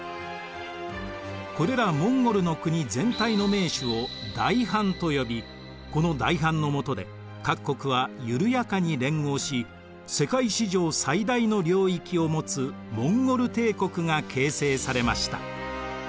これらモンゴルの国全体の盟主を大ハンと呼びこの大ハンのもとで各国はゆるやかに連合し世界史上最大の領域を持つモンゴル帝国が形成されました。